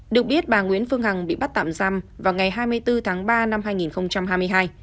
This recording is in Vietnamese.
được biết bà nguyễn phương hằng bị bắt tạm giam vào ngày hai mươi bốn tháng ba năm hai nghìn hai mươi hai